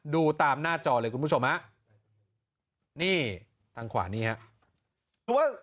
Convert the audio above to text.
ดูตามหน้าจอเลยคุณผู้ชมฮะนี่ทางขวานี่ครับ